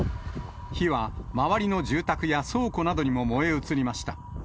火は周りの住宅や倉庫などにも燃え移りました。